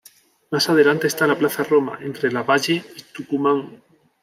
Más adelante está la Plaza Roma, entre Lavalle y Tucumán.